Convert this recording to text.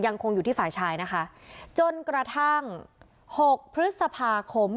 คงอยู่ที่ฝ่ายชายนะคะจนกระทั่งหกพฤษภาคม